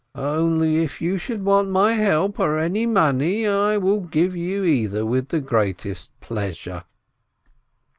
Only if you should want my help or any money, I will give you either with the greatest pleasure."